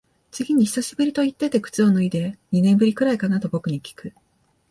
次に久しぶりと言ってて靴を脱いで、二年ぶりくらいかなと僕にきく。